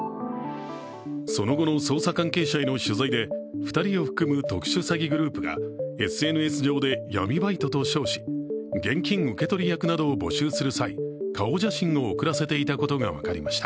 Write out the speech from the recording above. その後の捜査関係者への取材で２人を含む特殊詐欺グループがＳＮＳ上で闇バイトと称し現金受け取り役などを募集する際顔写真を送らせていたことが分かりました。